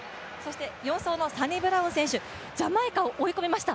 ４走のサニブラウン選手、ジャマイカを追い込みました。